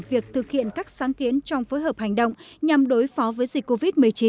việc thực hiện các sáng kiến trong phối hợp hành động nhằm đối phó với dịch covid một mươi chín